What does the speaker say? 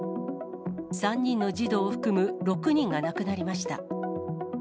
３人の児童を含む６人が亡くなりました。